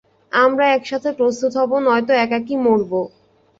আমরা একসাথে প্রস্তুত হবো, নয়তো একাকী মরবো।